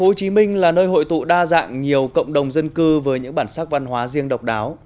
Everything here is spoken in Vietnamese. hồ chí minh là nơi hội tụ đa dạng nhiều cộng đồng dân cư với những bản sắc văn hóa riêng độc đáo